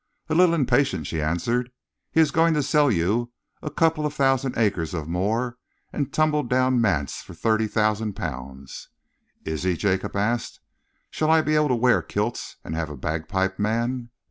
"A little impatient," she answered. "He is going to sell you a couple of thousand acres of moor and a tumble down manse for thirty thousand pounds." "Is he?" Jacob asked. "Shall I be able to wear kilts and have a bagpipe man?"